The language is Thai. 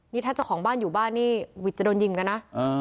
นี่ถ้าเจ้าของบ้านอยู่บ้านนี่วิทย์จะโดนยิงกันนะ